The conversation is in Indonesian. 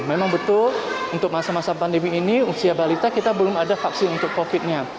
memang betul untuk masa masa pandemi ini usia balita kita belum ada vaksin untuk covid nya